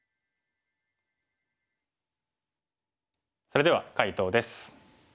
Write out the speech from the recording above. それでは解答です。